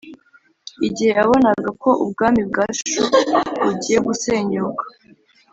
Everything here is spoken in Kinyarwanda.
igihe yabonaga ko ubwami bwa chou bugiye gusenyuka,